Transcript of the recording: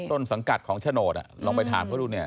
ต้นสังกัดของโฉนดลองไปถามเขาดูเนี่ย